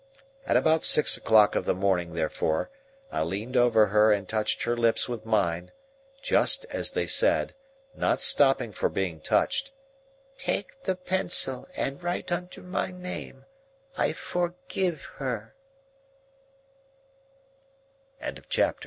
At about six o'clock of the morning, therefore, I leaned over her and touched her lips with mine, just as they said, not stopping for being touched, "Take the pencil and write under my name, 'I forgive her.'" Chapter L.